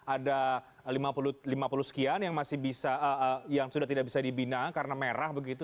ada lima puluh sekian yang sudah tidak bisa dibina karena merah begitu